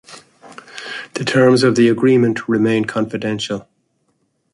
The terms of the agreement remain confidential.